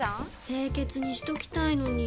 清潔にしときたいのに！